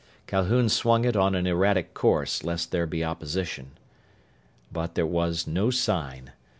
Calhoun swung it on an erratic course, lest there be opposition. But there was no sign.